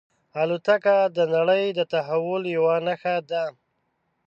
الوتکه د نړۍ د تحول یوه نښه ده.